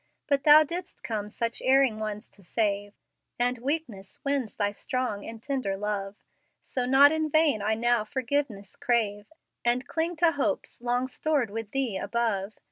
"But Thou didst come such erring ones to save, And weakness wins Thy strong and tender love; So not in vain I now forgiveness crave, And cling to hopes long stored with Thee above.